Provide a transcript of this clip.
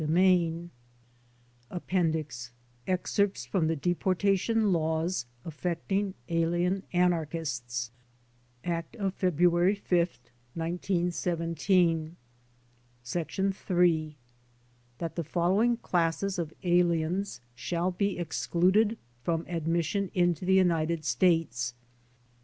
i rpf APPENDIX I Excerpts From the Deportation Laws Affecting Alien Anarchists Act of February 5, 1917 "Sec 3. That the following classes of aliens shall be ex cluded from admission into the United States